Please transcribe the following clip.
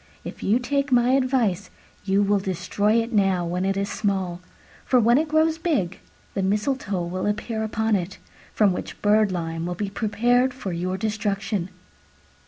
If you take my advice, you will destroy it now when it is small: for when it grows big, the mistletoe will appear upon it, from which birdlime will be prepared for your destruction."